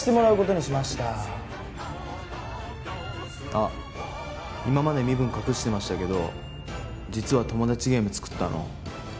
あっ今まで身分隠してましたけど実はトモダチゲーム作ったの俺なんすよ。